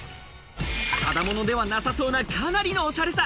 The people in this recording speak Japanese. ただものではなさそうな、かなりのおしゃれさ。